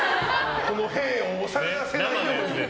この、へを押させないように。